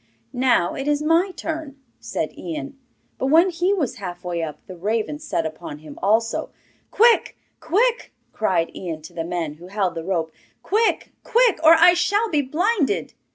'Now it is my turn,' said Ian. But when he was halfway up the raven set upon him also. 'Quick! quick!' cried Ian to the men who held the rope. 'Quick! quick! or I shall be blinded!